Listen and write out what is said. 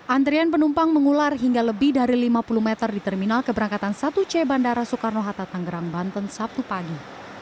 antrian penumpang mengular hingga lebih dari lima puluh meter di terminal keberangkatan satu c bandara soekarno hatta tanggerang banten sabtu pagi